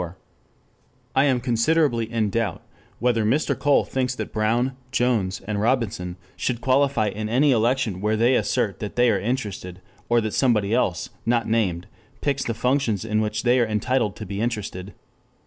] I am considerably in doubt whether Mr. Cole thinks that Brown, Jones and Robinson should qualify in any election where they assert that they are interested, or that somebody else, not named, picks the functions in which they are entitled to be interested.